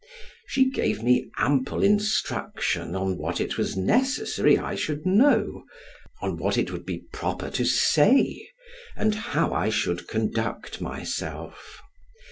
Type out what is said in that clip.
She gave me ample instruction on what it was necessary I should know, on what it would be proper to say; and how I should conduct myself.